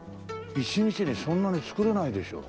１日にそんなに作れないでしょ？